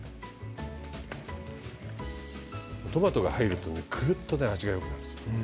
トマトが入るとぐっと味がよくなるんですよね。